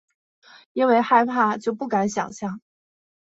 因为害怕就不敢想像